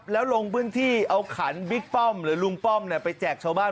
แล้วลงพื้นที่เอาขันบิ๊กป้อมหรือลุงป้อมไปแจกชาวบ้าน